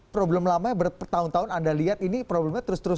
problem lama bertahun tahun anda lihat ini problemnya terus terus